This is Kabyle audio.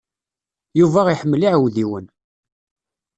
Yuba iḥemmel iɛudiwen.